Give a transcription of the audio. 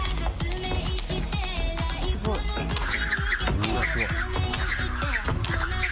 うわっすごい。